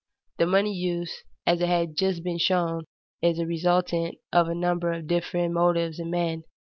_ The money use, as has just been shown, is a resultant of a number of different motives in men.